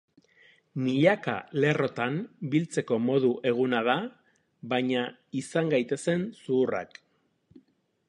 Milaka lerrotan biltzeko modu eguna izan da, baina izan gaitezen zuhurrak.